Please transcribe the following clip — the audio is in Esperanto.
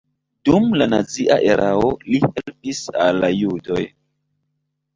Dum la nazia erao li helpis al la judoj.